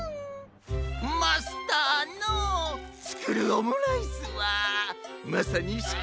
マスターのつくるオムライスはまさにし